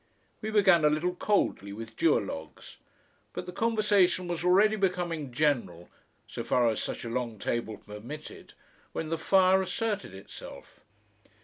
We began a little coldly, with duologues, but the conversation was already becoming general so far as such a long table permitted when the fire asserted itself.